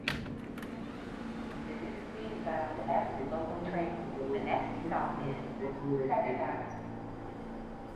সমালোচকদের চোখে ইতিবাচকভাবে গৃহীত হয়েছিল এবং বিশ্বব্যাপী বাণিজ্যিক সাফল্যে পেয়েছিল।